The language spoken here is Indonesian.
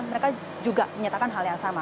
mereka juga menyatakan hal yang sama